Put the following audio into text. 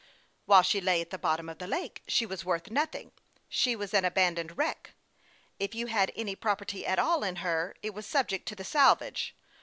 " While she lay at the bottom of the lake she was worth nothing. She was an abandoned wreck. If you had any property at all in her, it was subject to the salvage.